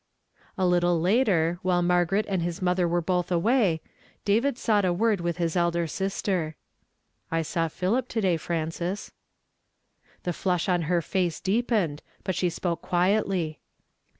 A little later, while Margaret and his mother were both away, David sought a word with his elder sister. " 1 saw i^hilip to day, Frances," 46 YESTERDAY FEAMED IN TO DAY. Tlie flush on her face deepened, hut she spoke quietly.